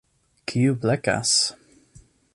Kiu blekas?